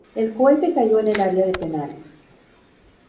El cohete cayó en el área de penales.